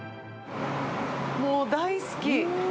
もう大好き。